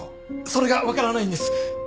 それが分からないんです。